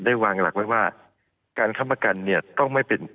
วางหลักไว้ว่าการค้ำประกันเนี่ยต้องไม่เป็น